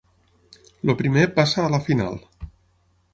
El primer passa a la final.